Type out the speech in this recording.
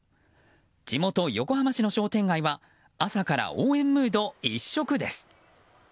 地元・横浜市の商店街は朝から応援ムード、一色です。